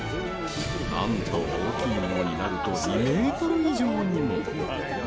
なんと大きいものになると２ｍ以上にも！